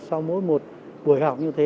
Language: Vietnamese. sau mỗi một buổi học như thế